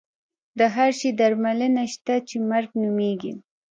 د هر شي درملنه شته چې مرګ نومېږي.